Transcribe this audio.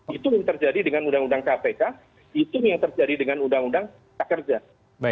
itu yang terjadi dengan undang undang kpk itu yang terjadi dengan undang undang tak kerja